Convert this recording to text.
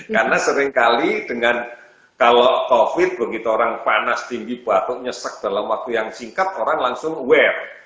karena seringkali dengan kalau covid begitu orang panas tinggi batuk nyesek dalam waktu yang singkat orang langsung wear